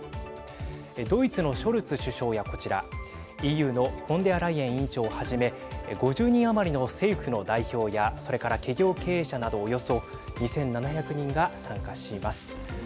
ドイツのショルツ首相やこちらＥＵのフォンデアライエン委員長をはじめ５０人余りの政府の代表やそれから企業経営者などおよそ２７００人が参加します。